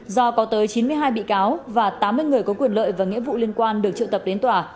do có tới chín mươi hai bị cáo và tám mươi người có quyền lợi và nghĩa vụ liên quan được triệu tập đến tòa